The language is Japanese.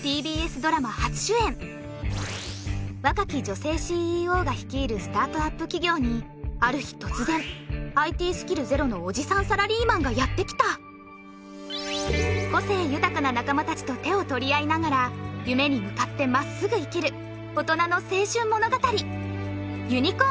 若き女性ＣＥＯが率いるスタートアップ企業にある日突然ＩＴスキルゼロのおじさんサラリーマンがやってきた個性豊かな仲間達と手を取り合いながら夢に向かってまっすぐ生きる大人の青春物語